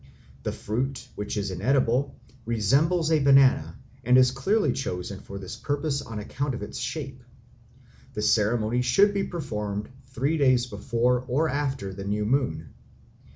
The fruit, which is inedible, resembles a banana, and is clearly chosen for this purpose on account of its shape. The ceremony should be performed three days before or after the new moon.